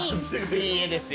いい絵ですよ。